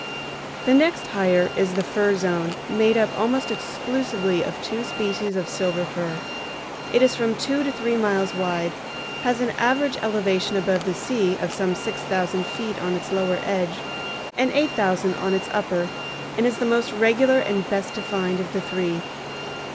The next higher is the Fir Zone, made up almost exclusively of two species of silver fir. It is from two to three miles wide, has an average elevation above the sea of some six thousand feet on its lower edge and eight thousand on its upper, and is the most regular and best defined of the three.